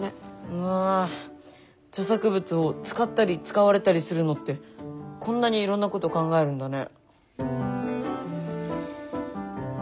うわ著作物を使ったり使われたりするのってこんなにいろんなこと考えるんだね。